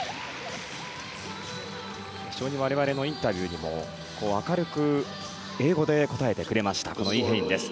我々のインタビューにも明るく英語で答えてくれたイ・ヘインです。